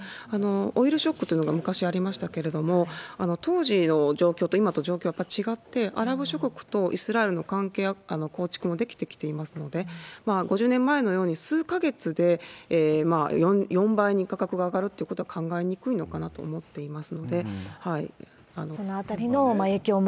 オイルショックというのが昔ありましたけれども、当時の状況と今と状況はやっぱり違って、アラブ諸国とイスラエルの関係構築もできてきていますので、５０年前のように数か月で４倍に価格が上がるということは考えにそのあたりの影響も。